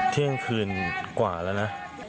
เที่ยงคืนกว่าแล้วนะ